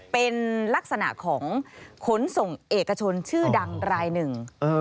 เป็นลักษณะของขนส่งเอกชนชื่อดังรายหนึ่ง